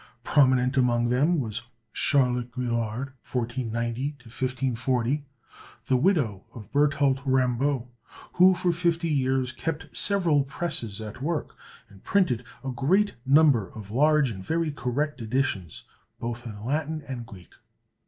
Prominent among them was Charlotte Guillard, 1490 1540, the widow of Berthold Rambolt, who for fifty years kept several presses at work, and printed a great number of large and very correct editions, both in Latin and Greek.